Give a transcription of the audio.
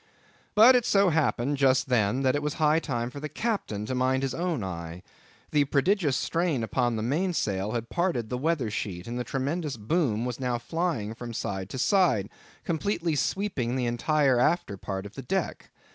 But it so happened just then, that it was high time for the Captain to mind his own eye. The prodigious strain upon the main sail had parted the weather sheet, and the tremendous boom was now flying from side to side, completely sweeping the entire after part of the deck.